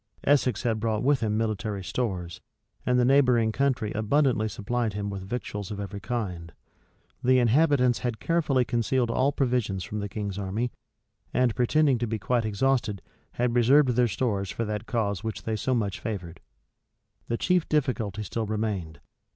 Essex had brought with him military stores; and the neighboring country abundantly supplied him with victuals of every kind. The inhabitants had carefully concealed all provisions from the king's army, and, pretending to be quite exhausted, had reserved their stores for that cause which they so much favored.[] The chief difficulty still remained.